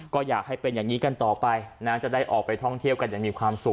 ก็อยากให้เป็นอย่างนี้กันต่อไปนะจะได้ออกไปท่องเที่ยวกันอย่างมีความสุข